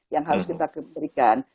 yang harus kita berikan